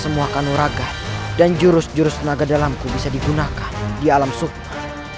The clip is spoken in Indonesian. semua kanoraga dan jurus jurus tenaga dalamku bisa digunakan di alam suku